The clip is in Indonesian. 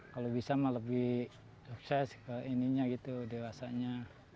kalau bisa mah lebih sukses ke ininya gitu dewasanya